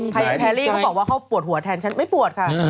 แพรรี่เขาบอกว่าเขาปวดหัวแทนฉันไม่ปวดค่ะ